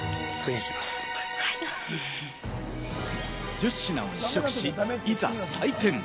１０品を試食し、いざ採点。